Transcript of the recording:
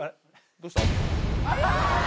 どうした？